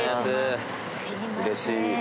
うれしい。